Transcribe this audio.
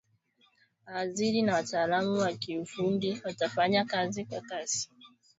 mawaziri na wataalamu wa kiufundi watafanya kazi kwa kasi kuhakikisha Jamuhuri ya Demokrasia ya Kongo